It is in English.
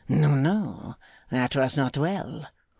No, no. That was not well.